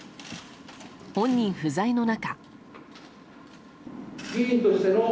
本人不在の中。